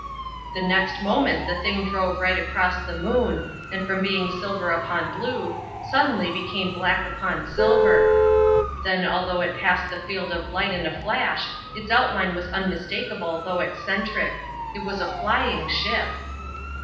The next moment the thing drove right across the moon, and from being silver upon blue, suddenly became black upon silver; then although it passed the field of light in a flash its outline was unmistakable though eccentric. It was a flying ship.